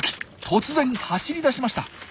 突然走り出しました。